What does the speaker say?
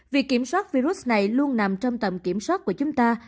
việc kiểm soát virus này luôn nằm trong tầm kiểm soát của chúng ta